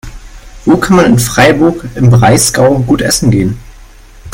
Wo kann man in Freiburg im Breisgau gut essen gehen?